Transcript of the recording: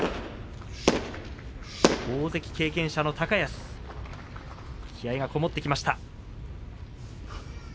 大関経験者の高安気合いがこもってきました。